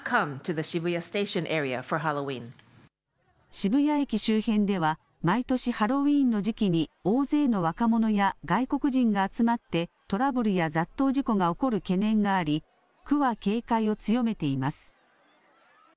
渋谷駅周辺では毎年ハロウィーンの時期に大勢の若者や外国人が集まってトラブルや雑踏事故が起こる懸念があり、区は警戒を強めています。